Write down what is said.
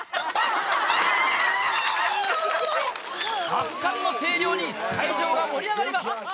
圧巻の声量に会場が盛り上がります！